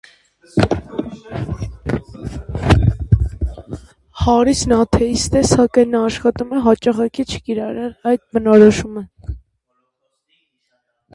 Հարիսն աթեիստ է, սակայն նա աշխատում է հաճախակի չկիրառել այդ բնորոշումը։